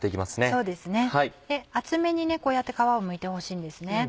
そうですね厚めにこうやって皮をむいてほしいんですね。